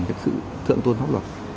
cái sự thượng tôn pháp luật